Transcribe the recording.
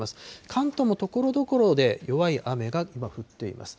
関東もところどころで、弱い雨が降っています。